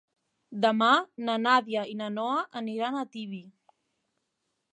Demà na Nàdia i na Noa aniran a Tibi.